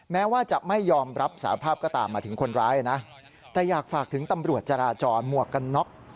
แม้ว่าจะไม่ยอมรับสาภาพก็ตามมาถึงคนร้ายนะแต่อยากฝากถึงตำรวจจราจรหมวกกันน็อก